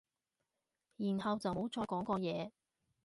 然後就冇再講過嘢